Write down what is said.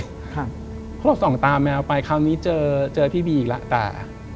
เพราะเราส่องตาแมวไปคราวนี้เจอพี่บีอีกแล้วแต่